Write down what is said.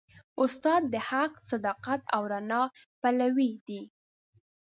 استاد د حق، صداقت او رڼا پلوي دی.